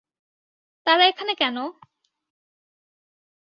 তারা এখানে কেন?